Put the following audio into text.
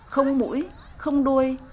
không mũi không đuôi